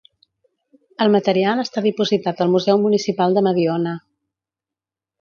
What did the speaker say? El material està dipositat al museu municipal de Mediona.